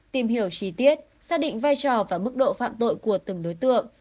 tìm hiểu chi tiết xác định vai trò và mức độ phạm tội của từng đối tượng